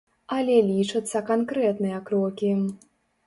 Але лічацца канкрэтныя крокі.